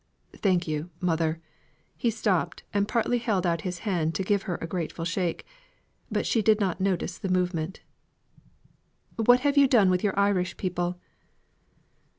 "Thank you, mother." He stopped, and partly held out his hand to give her a grateful shake. But she did not notice the movement. "What have you done with your Irish people?"